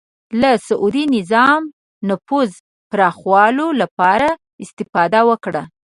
لکه سعودي نظام نفوذ پراخولو لپاره استفاده وکړه